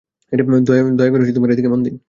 দয়া করে এদিকে মন দিন।